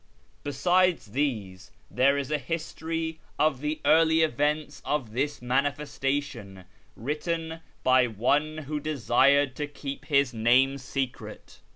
Besides these there is a history of the early events of this ' manifestation,' written by one who desired to keep his name secret."